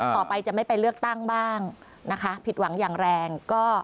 ต่อไปจะไม่ไปเลือกตั้งบ้างนะคะผิดหวังอย่างแรงก็